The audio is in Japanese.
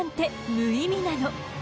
無意味なの？